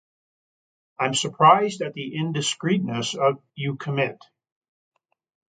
I'm surprised at the indiscreetness you commit.